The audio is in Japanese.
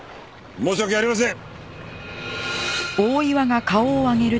申し訳ありません！